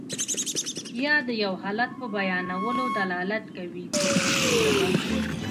یا د یو حالت په بیانولو دلالت کوي په پښتو ژبه.